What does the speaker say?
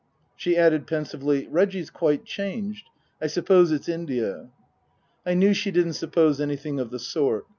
She added pensively, " Reggie's quite changed. I suppose it's India." I knew she didn't suppose anything of the sort.